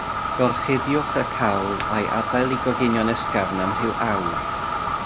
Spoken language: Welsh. Gorchuddiwch y cawl a'i adael i goginio'n ysgafn am rhyw awr.